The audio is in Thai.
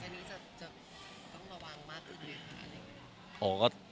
อยากจะต้องระวังมากขึ้นขึ้นหรืออะไรแบบนี้